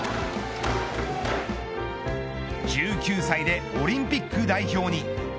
１９歳でオリンピック代表に。